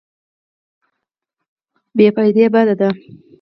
بې فایده بد دی.